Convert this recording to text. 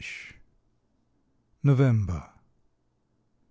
192 NOVEMBER.